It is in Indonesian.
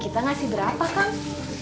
kita ngasih berapa kang